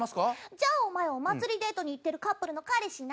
じゃあお前お祭りデートに行ってるカップルの彼氏な。